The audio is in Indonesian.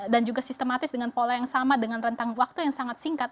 dan juga sistematis dengan pola yang sama dengan rentang waktu yang sangat singkat